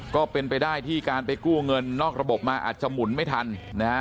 ก็เป็นไปได้ที่การไปกู้เงินนอกระบบมาอาจจะหมุนไม่ทันนะฮะ